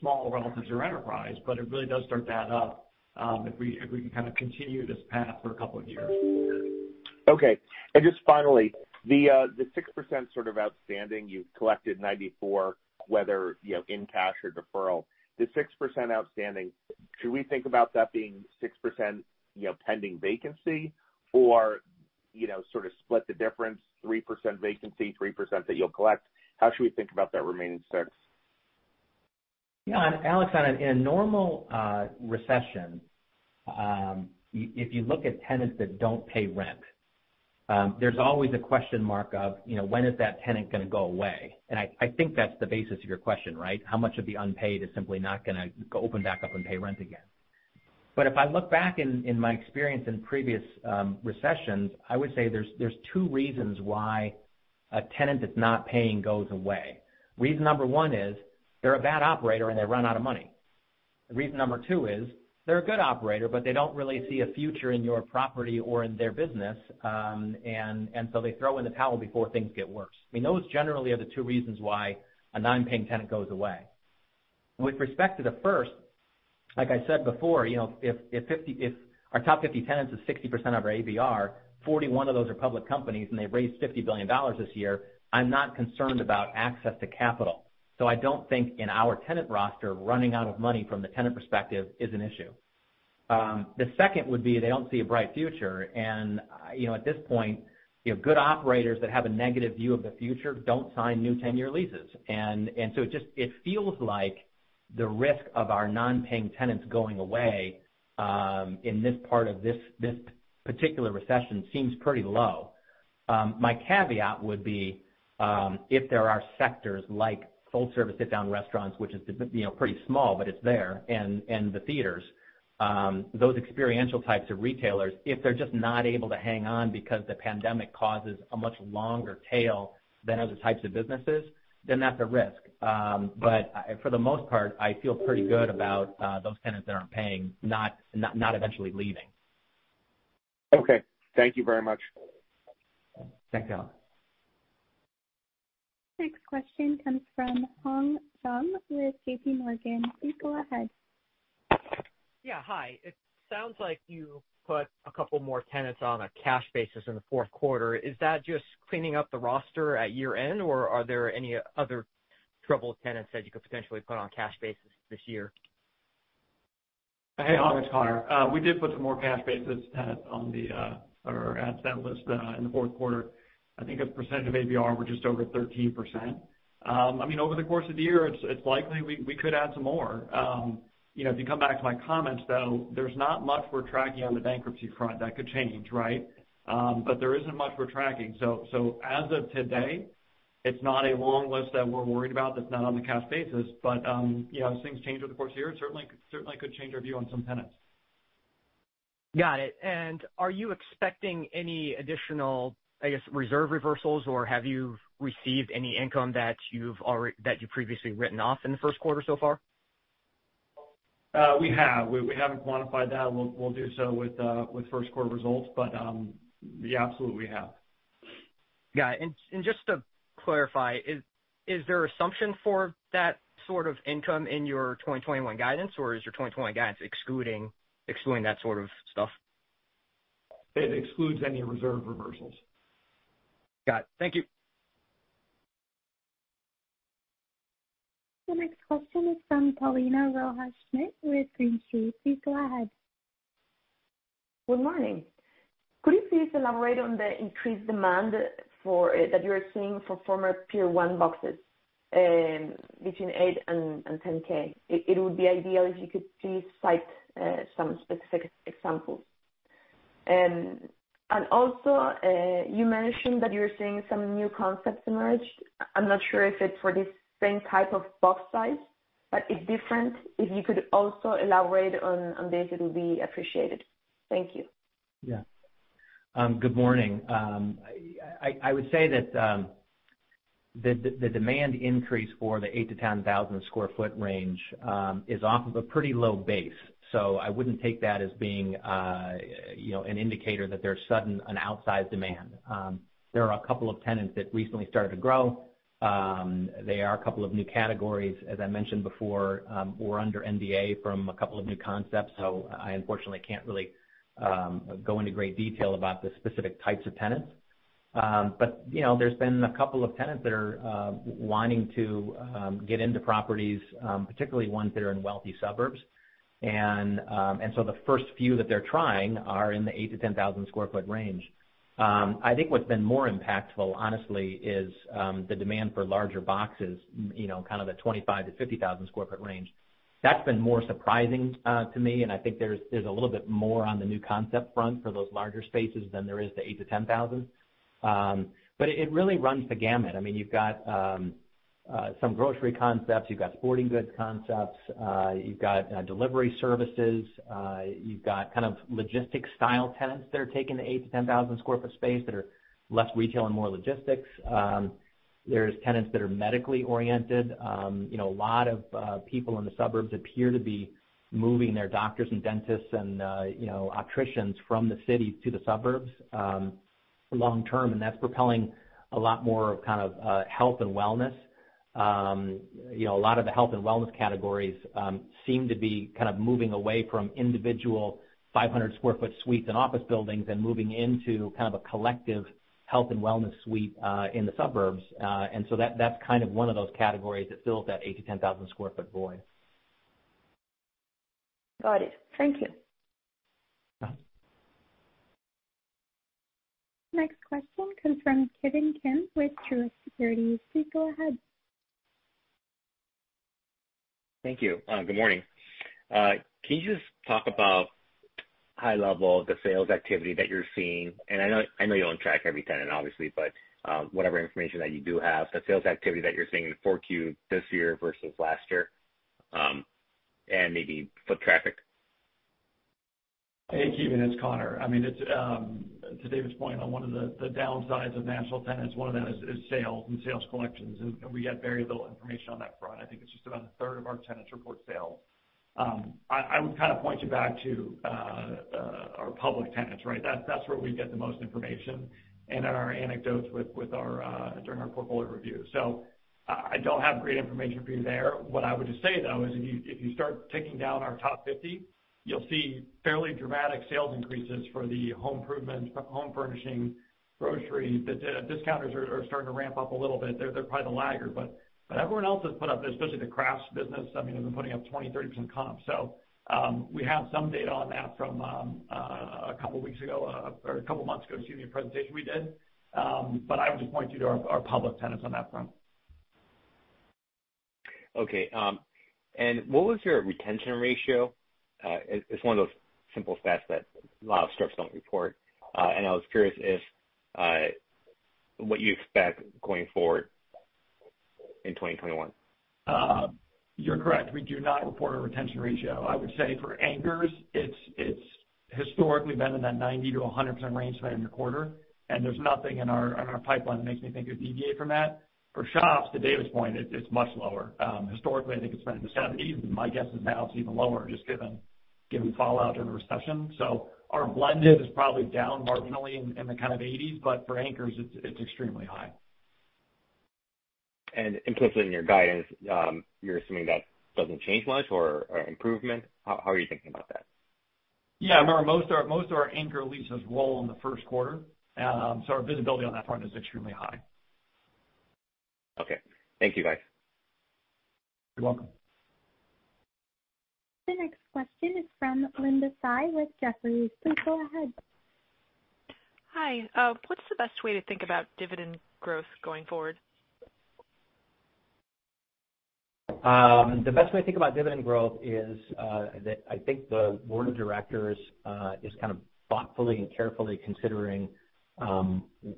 small relative to our enterprise, but it really does start to add up if we can kind of continue this path for a couple of years. Okay. Just finally, the 6% sort of outstanding, you've collected 94%, whether in cash or deferral. The 6% outstanding, should we think about that being 6% pending vacancy or sort of split the difference, 3% vacancy, 3% that you'll collect? How should we think about that remaining six? Yeah. Alex, in a normal recession, if you look at tenants that don't pay rent, there's always a question mark of when is that tenant going to go away. I think that's the basis of your question, right? How much of the unpaid is simply not going to open back up and pay rent again? If I look back in my experience in previous recessions, I would say there's two reasons why a tenant that's not paying goes away. Reason number 1 is they're a bad operator, and they run out of money. Reason number 2 is they're a good operator, but they don't really see a future in your property or in their business, and so they throw in the towel before things get worse. Those generally are the two reasons why a non-paying tenant goes away. With respect to the first, like I said before, if our top 50 tenants is 60% of our ABR, 41 of those are public companies, and they've raised $50 billion this year, I'm not concerned about access to capital. I don't think in our tenant roster, running out of money from the tenant perspective is an issue. The second would be they don't see a bright future. At this point, good operators that have a negative view of the future don't sign new 10-year leases. It feels like the risk of our non-paying tenants going away in this part of this particular recession seems pretty low. My caveat would be if there are sectors like full-service sit-down restaurants, which is pretty small, but it's there, and the theaters. Those experiential types of retailers, if they're just not able to hang on because the pandemic causes a much longer tail than other types of businesses, then that's a risk. For the most part, I feel pretty good about those tenants that aren't paying, not eventually leaving. Okay. Thank you very much. Thanks, Alex. Next question comes from Hong Zheng with JPMorgan. Please go ahead. Yeah. Hi. It sounds like you put a couple more tenants on a cash basis in the fourth quarter. Is that just cleaning up the roster at year-end, or are there any other troubled tenants that you could potentially put on cash basis this year? Hey, Hong, it's Conor. We did put some more cash basis tenants on our asset list in the fourth quarter. I think as a percentage of ABR, we're just over 13%. Over the course of the year, it's likely we could add some more. If you come back to my comments, though, there's not much we're tracking on the bankruptcy front. That could change. There isn't much we're tracking. As of today, it's not a long list that we're worried about that's not on the cash basis. As things change over the course of the year, it certainly could change our view on some tenants. Got it. Are you expecting any additional, I guess, reserve reversals, or have you received any income that you've previously written off in the first quarter so far? We have. We haven't quantified that. We'll do so with first quarter results. Yeah. Absolutely, we have. Got it. Just to clarify, is there assumption for that sort of income in your 2021 guidance, or is your 2021 guidance excluding that sort of stuff? It excludes any reserve reversals. Got it. Thank you. The next question is from Paulina Rojas-Schmidt with Green Street. Please go ahead. Good morning. Could you please elaborate on the increased demand that you're seeing for former Pier 1 boxes between eight and 10K? It would be ideal if you could please cite some specific examples. Also, you mentioned that you're seeing some new concepts emerge. I'm not sure if it's for this same type of box size, but it's different. If you could also elaborate on this, it would be appreciated. Thank you. Yeah. Good morning. I would say that the demand increase for the 8,000 sq ft-10,000 sq ft range is off of a pretty low base. I wouldn't take that as being an indicator that there's sudden an outsized demand. There are a couple of tenants that recently started to grow. They are a couple of new categories, as I mentioned before. We're under NDA from a couple of new concepts, I unfortunately can't really go into great detail about the specific types of tenants. There's been a couple of tenants that are wanting to get into properties, particularly ones that are in wealthy suburbs. The first few that they're trying are in the 8,000 sq ft-10,000 sq ft range. I think what's been more impactful, honestly, is the demand for larger boxes, kind of the 25,000 sq ft-50,000 sq ft range. That's been more surprising to me, and I think there's a little bit more on the new concept front for those larger spaces than there is the 8,000-10,000sq. But it really runs the gamut. You've got some grocery concepts. You've got sporting goods concepts. You've got delivery services. You've got kind of logistics style tenants that are taking the 8,000-10,000 sq ft space that are less retail and more logistics. There's tenants that are medically oriented. A lot of people in the suburbs appear to be moving their doctors and dentists and opticians from the city to the suburbs long-term, and that's propelling a lot more of kind of health and wellness. A lot of the health and wellness categories seem to be kind of moving away from individual 500 sq ft suites and office buildings and moving into kind of a collective health and wellness suite in the suburbs. That's kind of one of those categories that fills that 8,000-10,000 sq ft void. Got it. Thank you. Yeah. Next question comes from Ki Bin-Kem with Truist Securities. Please go ahead. Thank you. Good morning. Can you just talk about high level the sales activity that you're seeing? I know you don't track every tenant, obviously, but whatever information that you do have, the sales activity that you're seeing in the 4Q this year versus last year, and maybe foot traffic? Hey, Ki Bin, it's Conor. To David's point on one of the downsides of national tenants, one of that is sales and sales collections, and we get very little information on that front. I think it's just about a third of our tenants report sales. I would kind of point you back to our public tenants. That's where we get the most information and in our anecdotes during our portfolio review. I don't have great information for you there. What I would just say, though, is if you start ticking down our top 50, you'll see fairly dramatic sales increases for the home improvement, home furnishing, grocery. The discounters are starting to ramp up a little bit. They're probably the laggard. Everyone else has put up, especially the crafts business, has been putting up 20%, 30% comps. We have some data on that from a couple of weeks ago, or a couple of months ago, excuse me, a presentation we did. I would just point you to our public tenants on that front. Okay. What was your retention ratio? It's one of those simple stats that a lot of REITs don't report. I was curious what you expect going forward in 2021. You're correct. We do not report a retention ratio. I would say for anchors, it's historically been in that 90%-100% range by end of quarter. There's nothing in our pipeline that makes me think would deviate from that. For shops, to David's point, it's much lower. Historically, I think it's been in the 70s. My guess is now it's even lower just given fallout of the recession. Our blended is probably down marginally in the kind of 80s. For anchors, it's extremely high. Implicit in your guidance, you're assuming that doesn't change much or improvement. How are you thinking about that? Yeah, remember, most of our anchor leases roll in the first quarter. Our visibility on that front is extremely high. Okay. Thank you, guys. You're welcome. The next question is from Linda Tsai with Jefferies. Please go ahead. Hi. What's the best way to think about dividend growth going forward? The best way to think about dividend growth is that I think the board of directors is kind of thoughtfully and carefully considering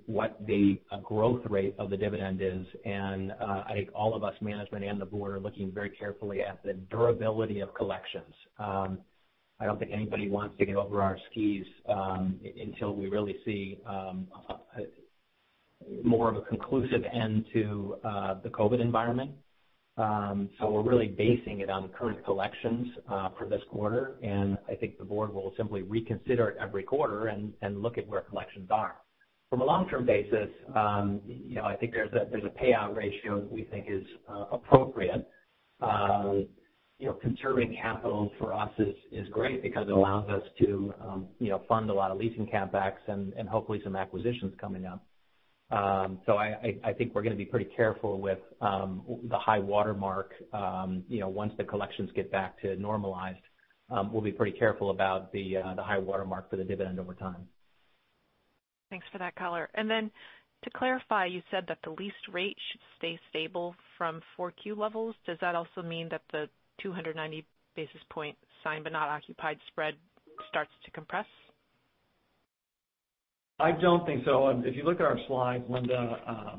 what the growth rate of the dividend is. I think all of us, management and the board, are looking very carefully at the durability of collections. I don't think anybody wants to get over our skis until we really see more of a conclusive end to the COVID environment. We're really basing it on current collections for this quarter, and I think the board will simply reconsider it every quarter and look at where collections are. From a long-term basis, I think there's a payout ratio that we think is appropriate. Conserving capital for us is great because it allows us to fund a lot of leasing CapEx and hopefully some acquisitions coming up. I think we're going to be pretty careful with the high watermark. Once the collections get back to normalized, we'll be pretty careful about the high watermark for the dividend over time. Thanks for that color. To clarify, you said that the lease rate should stay stable from 4Q levels. Does that also mean that the 290 basis point signed but not occupied spread starts to compress? I don't think so. If you look at our slides, Linda,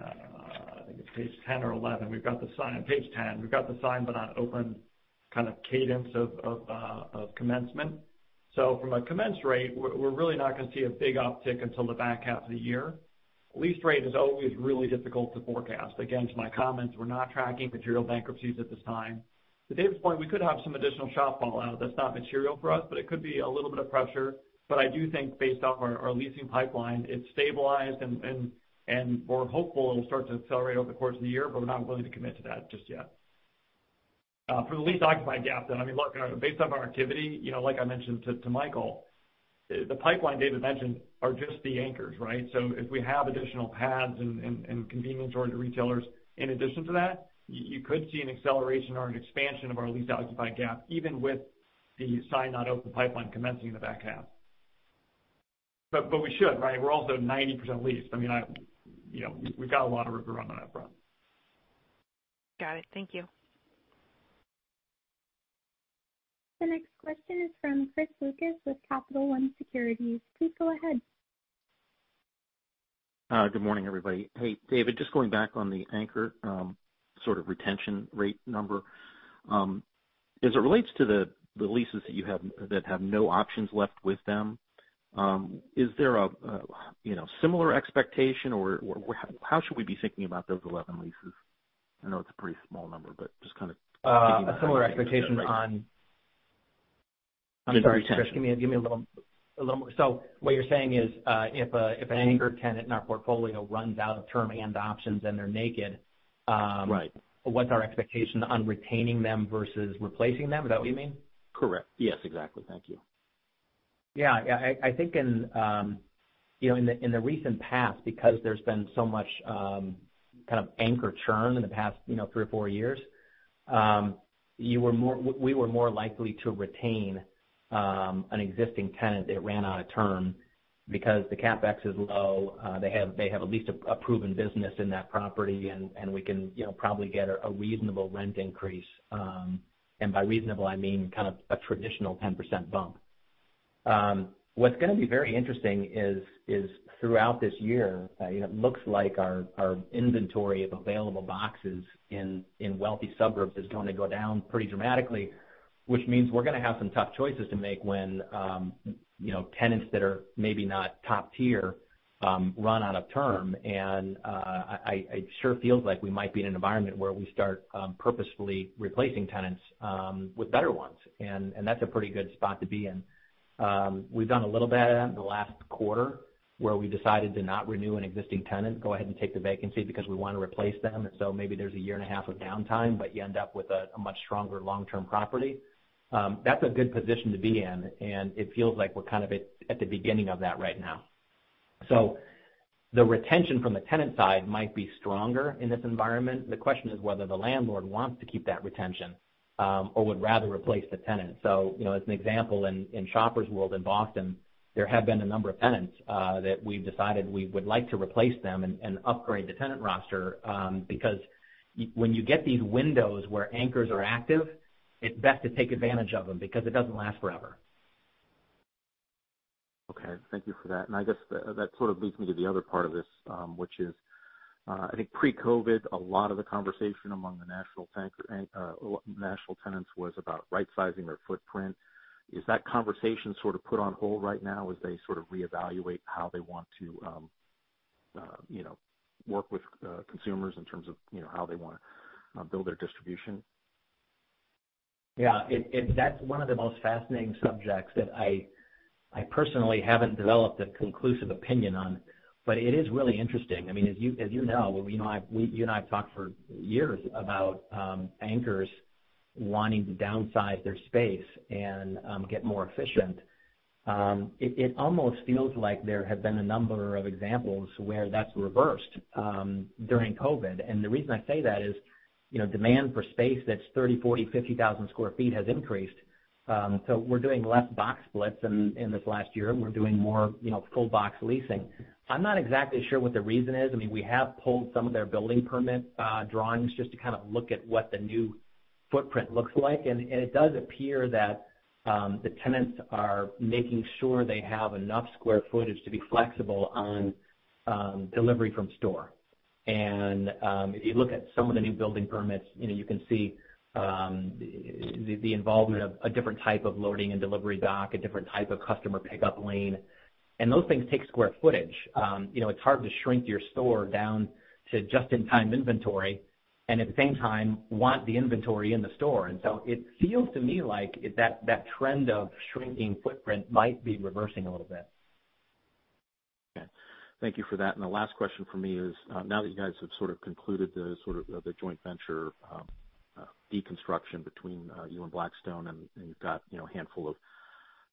I think it's page 10 or 11. We've got page 10. We've got the signed but not open kind of cadence of commencement. From a commence rate, we're really not going to see a big uptick until the back half of the year. Lease rate is always really difficult to forecast. Again, to my comments, we're not tracking material bankruptcies at this time. To David's point, we could have some additional shop fallout that's not material for us, but it could be a little bit of pressure. I do think based off our leasing pipeline, it's stabilized, and we're hopeful it'll start to accelerate over the course of the year, but we're not willing to commit to that just yet. For the lease occupied gap, I mean, look, based off our activity, like I mentioned to Michael, the pipeline David mentioned are just the anchors, right? If we have additional pads and convenience oriented retailers in addition to that, you could see an acceleration or an expansion of our lease occupied gap, even with the signed not open pipeline commencing in the back half. We should, right? We're also 90% leased. I mean, we've got a lot of room to run on that front. Got it. Thank you. The next question is from Chris Lucas with Capital One Securities. Please go ahead. Good morning, everybody. Hey, David, just going back on the anchor sort of retention rate number. As it relates to the leases that have no options left with them, is there a similar expectation, or how should we be thinking about those 11 leases? I know it's a pretty small number. A similar expectation on I'm sorry, Chris, give me a little more. What you're saying is, if an anchor tenant in our portfolio runs out of term and options and they're naked- Right What's our expectation on retaining them versus replacing them? Is that what you mean? Correct. Yes, exactly. Thank you. Yeah. I think in the recent past, because there's been so much kind of anchor churn in the past three or four years, we were more likely to retain an existing tenant that ran out of term because the CapEx is low. They have at least a proven business in that property, and we can probably get a reasonable rent increase. By reasonable, I mean kind of a traditional 10% bump. What's going to be very interesting is throughout this year, it looks like our inventory of available boxes in wealthy suburbs is going to go down pretty dramatically, which means we're going to have some tough choices to make when tenants that are maybe not top tier run out of term. It sure feels like we might be in an environment where we start purposefully replacing tenants with better ones, and that's a pretty good spot to be in. We've done a little bit of that in the last quarter, where we decided to not renew an existing tenant, go ahead and take the vacancy because we want to replace them. Maybe there's a year and a half of downtime, but you end up with a much stronger long-term property. That's a good position to be in, and it feels like we're kind of at the beginning of that right now. The retention from the tenant side might be stronger in this environment. The question is whether the landlord wants to keep that retention or would rather replace the tenant. As an example, in Shoppers World in Boston, there have been a number of tenants that we've decided we would like to replace them and upgrade the tenant roster, because when you get these windows where anchors are active, it's best to take advantage of them because it doesn't last forever. Okay. Thank you for that. I guess that sort of leads me to the other part of this, which is I think pre-COVID, a lot of the conversation among the national tenants was about right-sizing their footprint. Is that conversation sort of put on hold right now as they sort of reevaluate how they want to work with consumers in terms of how they want to build their distribution? Yeah. That's one of the most fascinating subjects that I personally haven't developed a conclusive opinion on, but it is really interesting. I mean, as you know, you and I have talked for years about anchors wanting to downsize their space and get more efficient. It almost feels like there have been a number of examples where that's reversed during COVID. The reason I say that is, demand for space that's 30,000, 40,000, 50,000 square feet has increased. We're doing less box splits in this last year, and we're doing more full-box leasing. I'm not exactly sure what the reason is. We have pulled some of their building permit drawings just to kind of look at what the new footprint looks like. It does appear that the tenants are making sure they have enough square footage to be flexible on delivery from store. If you look at some of the new building permits, you can see the involvement of a different type of loading and delivery dock, a different type of customer pickup lane. Those things take square footage. It's hard to shrink your store down to just-in-time inventory and, at the same time, want the inventory in the store. It feels to me like that trend of shrinking footprint might be reversing a little bit. Okay. Thank you for that. The last question from me is, now that you guys have sort of concluded the joint venture deconstruction between you and Blackstone, and you've got a handful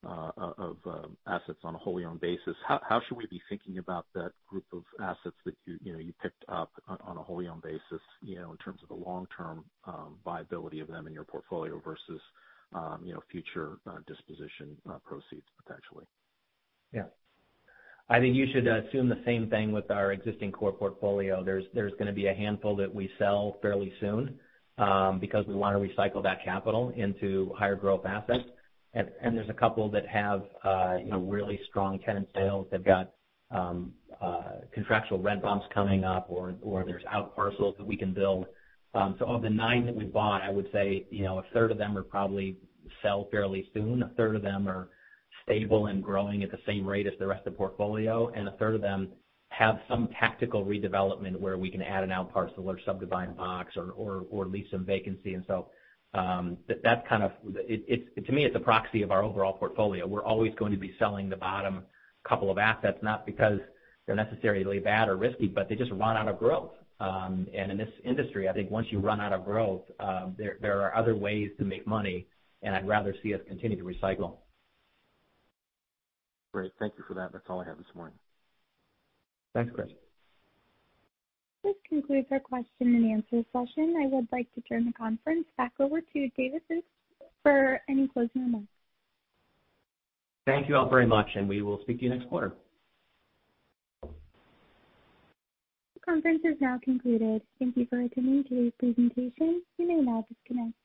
of assets on a wholly owned basis, how should we be thinking about that group of assets that you picked up on a wholly owned basis in terms of the long-term viability of them in your portfolio versus future disposition proceeds, potentially? Yeah. I think you should assume the same thing with our existing core portfolio. There's going to be a handful that we sell fairly soon, because we want to recycle that capital into higher growth assets. There's a couple that have really strong tenant sales. They've got contractual rent bumps coming up, or there's outparcels that we can build. Of the nine that we bought, I would say, a third of them will probably sell fairly soon, a third of them are stable and growing at the same rate as the rest of the portfolio, and a third of them have some tactical redevelopment where we can add an outparcel or subdivide box or lease some vacancy. To me, it's a proxy of our overall portfolio. We're always going to be selling the bottom couple of assets, not because they're necessarily bad or risky, but they just run out of growth. In this industry, I think once you run out of growth, there are other ways to make money, and I'd rather see us continue to recycle. Great. Thank you for that. That's all I have this morning. Thanks, Chris. This concludes our question and answer session. I would like to turn the conference back over to David Lukes for any closing remarks. Thank you all very much, and we will speak to you next quarter. This conference is now concluded. Thank you for attending today's presentation. You may now disconnect.